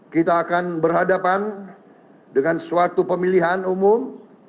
kita akan berhadapan dengan suatu pemilihan umum